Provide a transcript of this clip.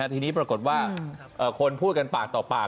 ทีนี้ปรากฏว่าคนพูดกันปากต่อปาก